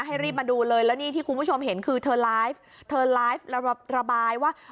รีบมาดูเลยแล้วนี่ที่คุณผู้ชมเห็นคือเธอไลฟ์เธอไลฟ์ระบายว่า